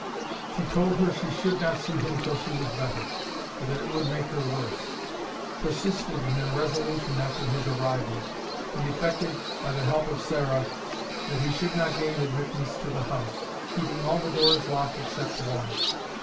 She told her she should not see him till she was better, for that it would make her worse; persisted in her resolution after his arrival; and effected, by the help of Sarah, that he should not gain admittance to the house, keeping all the doors locked except one.